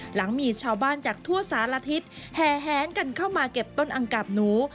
หลังมีชาวบ้านจากทั่วสารทิศแห่แหนกันเข้ามาเก็บต้นอังกาบหนู